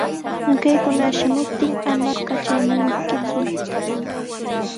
Ñakaykuna shamuptin ama katramankiku.